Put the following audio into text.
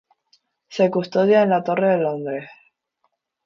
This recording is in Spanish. Se custodia en la Torre de Londres.